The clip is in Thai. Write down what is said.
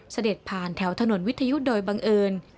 เสด็จผ่านแถวถนนวิทยุโดยบังเอิญ